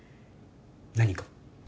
何か？